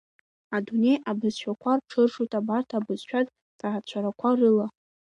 Адунеи абызшәақәа рҽыршоит абарҭ абызшәатә ҭаацәарақәа рыла…